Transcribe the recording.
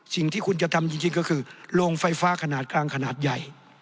สิ่งที่คุณจะทำจริงก็คือโรงไฟฟ้าขนาดกลางขนาดใหญ่